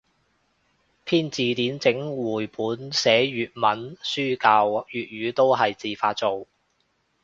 編字典整繪本寫粵文書教粵語都係自發做